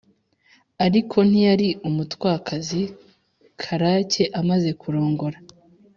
ariko ntiyari umutwakazi; karake amaze kurongora